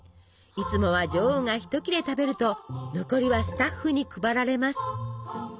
いつもは女王が一切れ食べると残りはスタッフに配られます。